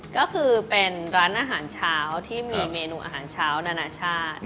ก็คือเป็นร้านอาหารเช้าที่มีเมนูอาหารเช้านานาชาติ